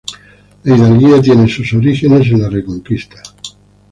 La hidalguía tiene sus orígenes en la Reconquista.